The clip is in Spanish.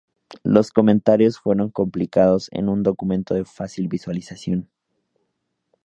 Los comentarios fueron compilados en un documento de fácil visualización.